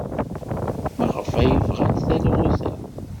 Maɣef ay bɣant talɣut-a?